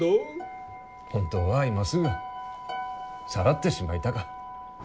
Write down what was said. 本当は今すぐさらってしまいたか。